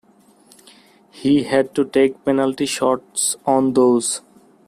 He had to take penalty shots on those.